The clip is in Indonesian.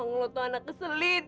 emang lu tuh anak keselit